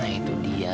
nah itu dia